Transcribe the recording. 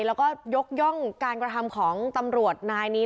แล้วก็ยกย่องการกระทำของตำรวจนายนี้